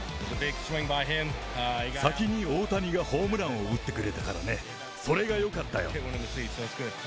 先に大谷がホームランを打ってくれたからね、それがよかったよ。